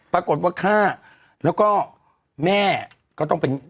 ปรากฏว่าฆ่าแล้วก็แม่ก็ต้องเป็น